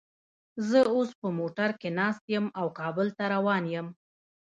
زه اوس په موټر کې ناست یم او کابل ته روان یم